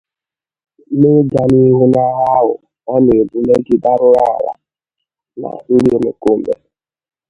N'ịga n'ihu n'agha ahụ ọ na-ebu megide arụrụala na ndị omèkóòmè